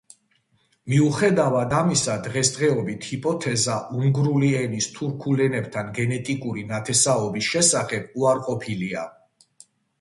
მიუხედავად ამისა, დღესდღეობით ჰიპოთეზა უნგრული ენის თურქულ ენებთან გენეტიკური ნათესაობის შესახებ უარყოფილია.